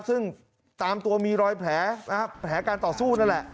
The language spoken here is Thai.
ซึ่งตามตัวมีรอยแผลการต่อสู้นั่นแหละ